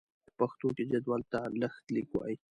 په پښتو کې جدول ته لښتليک وايي.